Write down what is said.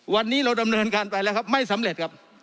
วันนี้เราดำเนินการไปแล้วครับไม่สำเร็จครับ